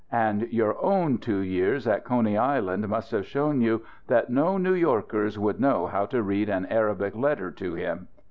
And your own two years at Coney Island must have shown you that no New Yorkers would know how to read an Arabic letter to him.